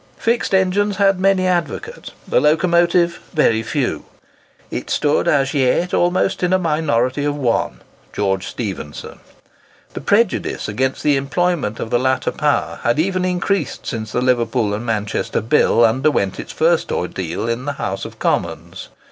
Fixed engines had many advocates; the locomotive very few: it stood as yet almost in a minority of one—George Stephenson. The prejudice against the employment of the latter power had even increased since the Liverpool and Manchester Bill underwent its first ordeal in the House of Commons.